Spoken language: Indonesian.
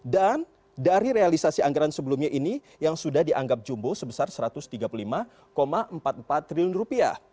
dan dari realisasi anggaran sebelumnya ini yang sudah dianggap jumbo sebesar satu ratus tiga puluh lima empat puluh empat triliun rupiah